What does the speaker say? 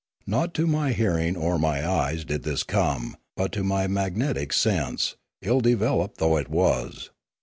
Not to my hearing or my eyes did this come; but to my magnetic sense, ill developed though it was.